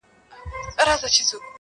• له سېله پاته له پرواز څخه لوېدلی یمه -